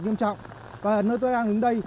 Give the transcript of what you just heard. nghiêm trọng và nơi tôi đang đứng đây